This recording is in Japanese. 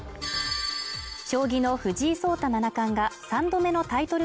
将棋の藤井聡太七冠が３度目のタイトル